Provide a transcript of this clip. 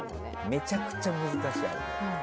めちゃくちゃ難しい。